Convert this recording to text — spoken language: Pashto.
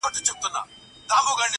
• ځوان ژاړي سلگۍ وهي خبري کوي.